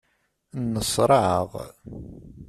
Nneṣṛaɛeɣ.